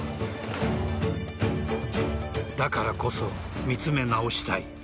だからこそ見つめ直したい。